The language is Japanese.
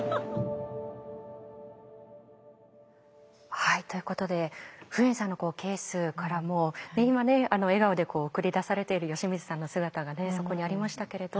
はいということでフエンさんのケースからも今ね笑顔で送り出されている吉水さんの姿がそこにありましたけれど。